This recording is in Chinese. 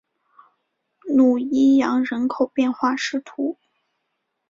努伊扬人口变化图示